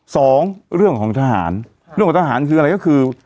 สองเรื่องของทหารเรื่องของทหารคืออะไรก็คือ